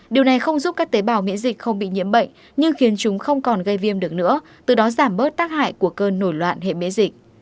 điều này không giúp các tế bào miễn dịch không bị nhiễm bệnh nhưng khiến chúng không còn gây viêm được nữa từ đó giảm bớt tác hại của cơn nổi loạn hệ miễn dịch